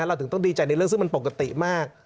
เราถึงต้องดีใจในเรื่องซึ่งมันปกติมาก